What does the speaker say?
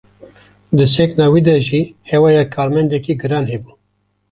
Di sekna wî de jî hewaya karmendekî giran hebû.